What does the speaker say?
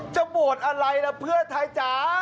จะโหวตอะไรล่ะเพื่อไทยจ๋า